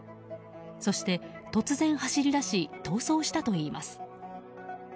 そして突然、走り出し逃走したといいます。